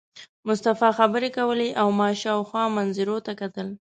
مصطفی خبرې کولې او ما شاوخوا منظرو ته کتل.